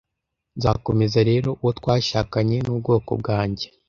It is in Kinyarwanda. nzakomeza rero uwo twashakanye n'ubwoko bwanjye